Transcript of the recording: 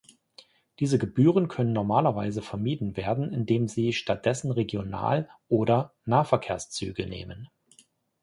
Diese Gebühren können normalerweise vermieden werden, indem Sie stattdessen Regional- oder Nahverkehrszüge nehmen.